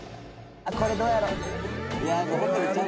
これどうやろう？